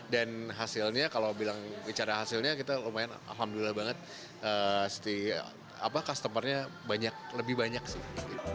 dan hasilnya kalau bilang bicara hasilnya kita lumayan alhamdulillah banget customer nya lebih banyak sih